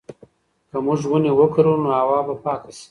که موږ ونې وکرو نو هوا به پاکه شي.